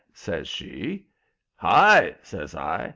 says she. "Hi!" says I.